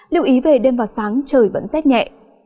lưu ý về đêm và sáng trời vẫn rét nhẹ